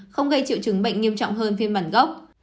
không gây triệu chứng bệnh nghiêm trọng hơn phiên bản gốc